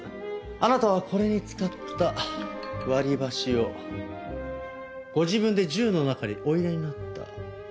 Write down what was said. あなたはこれに使った割り箸をご自分で銃の中にお入れになった。